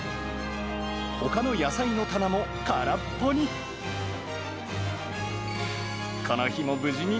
ほかの野菜の棚も空っぽに。